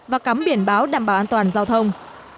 và cắm biển báo đảm bảo an toàn giao thông